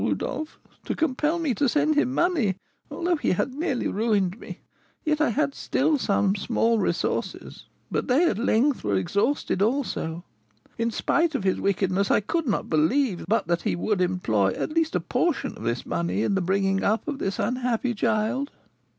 Rodolph, to compel me to send him money; although he had nearly ruined me, yet I had still some small resources, but they at length were exhausted also. In spite of his wickedness, I could not believe but that he would employ, at least, a portion of this money in the bringing up of this unhappy child."